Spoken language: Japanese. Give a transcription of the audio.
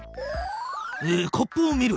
コップを見る。